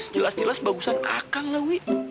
jelas jelas bagusan akang lah wi